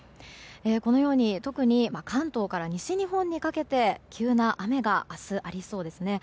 このように特に関東から西日本にかけて急な雨が明日、ありそうですね。